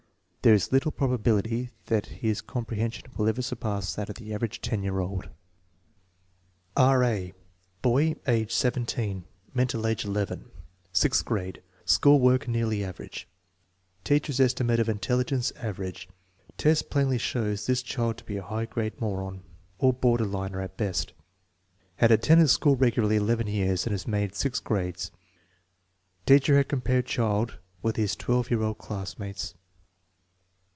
There is little probability that his comprehension will ever surpass that of the average 10 year old. R. A. Hoy, age 17; mental age 11; sixth grade; school work "nearly average"; teacher's estimate oj intelligence "average" Test plainly shows this child to be a high grade moron, or border liner at best. Had attended school regularly 11 years and had made 6 grades.' Teacher had compared child with his 12 year old class mates.